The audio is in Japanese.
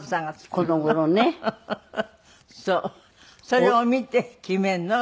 それを見て決めるの？